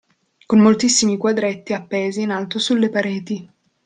Con moltissimi quadretti appesi in alto sulle pareti.